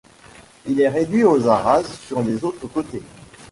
Il est réduit aux arases sur les autres côtés.